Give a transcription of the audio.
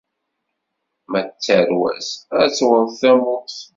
Ma d tarwa-s ad tewṛet tamurt.